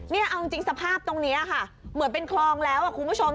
นี่เอาจริงสภาพตรงนี้ค่ะเหมือนเป็นคลองแล้วคุณผู้ชม